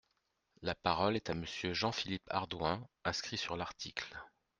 La parole est à Monsieur Jean-Philippe Ardouin, inscrit sur l’article.